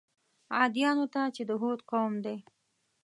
عادیانو ته چې د هود قوم دی.